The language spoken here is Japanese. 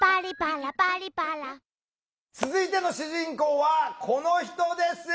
続いての主人公はこの人です。